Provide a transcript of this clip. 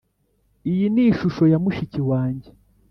iyi ni ishusho ya mushiki wanjye.